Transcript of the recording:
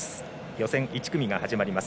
予選１組が始まります。